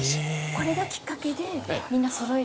これがきっかけでみんなそろえるように。